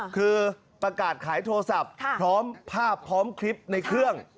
คือประกาศขายโทรศัพท์พร้อมภาพพร้อมคลิปในเครื่อง